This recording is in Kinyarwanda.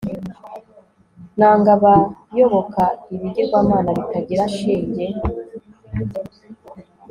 nanga abayoboka ibigirwamana bitagira shinge